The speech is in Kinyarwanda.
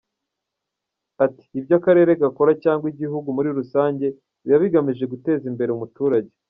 Ati “Ibyo akarere gakora cyangwa igihugu muri rusange biba bigamije guteza imbere umuturage.